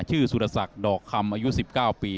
ชื่อสุทธิสัครหรือสอดดอกคำอายุ๑๙ปี